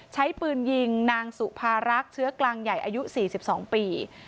ใช้ปืนยิงนางสุภารักษ์เชื้อกลางใหญ่อายุ๔๒ปี